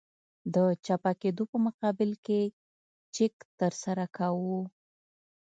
د چپه کېدو په مقابل کې چک ترسره کوو